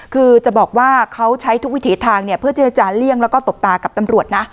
คือจะบอกว่าเขาใช้ทุกวิถีทางเนี่ยเพื่อเจรจาเลี่ยงแล้วก็ตบตากับตำรวจนะ